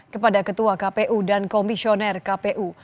kepada ketua kpu dan komisioner kpu